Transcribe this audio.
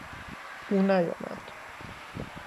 او نیامد.